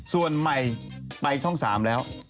ส่วนใหม่ไปช่อง๓แล้ว